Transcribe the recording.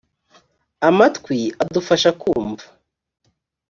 amatwi adufasha kumva.